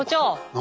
何？